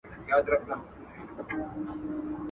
د وینو په دریاب کي یو د بل وینو ته تږي.